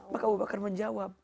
maka abu bakar menjawab